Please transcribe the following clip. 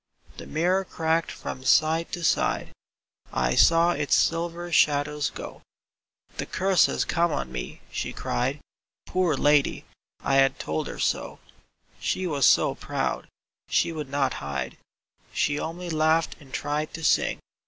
The mirror cracked from side to side; I saw Its silver shadows go. "The curse has come on me !" she cried. Poor lady I I had told her so. She was so proud : she would not hide. She only laughed and tried to sing.